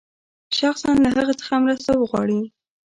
شخصاً له هغه څخه مرسته وغواړي.